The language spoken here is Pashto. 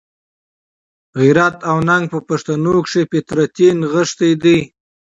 غیرت او ننګ په پښتنو کښي فطرتي نغښتی دئ.